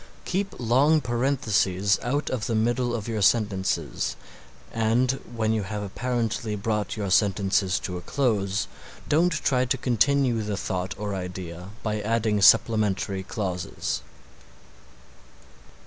Keep long parentheses out of the middle of your sentences and when you have apparently brought your sentences to a close don't try to continue the thought or idea by adding supplementary clauses.